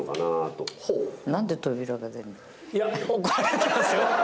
怒られてますよ。